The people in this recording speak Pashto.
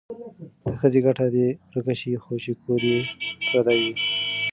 د ښځې ګټه دې ورکه شي خو چې کور یې پرده وي.